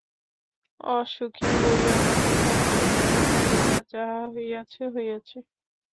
অসুখী হইও না! অনুশোচনা করিও না! যাহা হইয়াছে, হইয়াছে।